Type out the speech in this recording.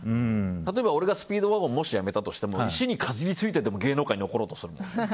例えば俺がスピードワゴンをやめたとしても石にかじりついてでも芸能界に残ろうとする。